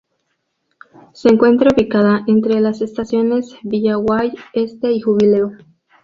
Se encuentra ubicada entre las estaciones Villaguay Este y Jubileo